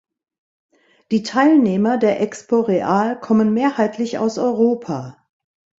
Die Teilnehmer der Expo Real kommen mehrheitlich aus Europa.